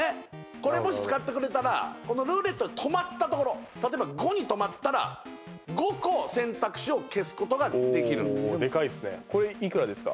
これもし使ってくれたらこのルーレットで止まったところ例えば５に止まったら５個選択肢を消すことができるんですデカいっすねこれいくらですか？